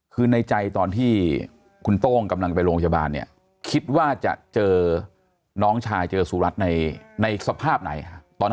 คือในใจตอนที่คุณโต้งกำลังไปโรงพยาบาลเนี่ยคิดว่าจะเจอน้องชายเจอสุรัตน์ในสภาพไหนฮะตอนนั้น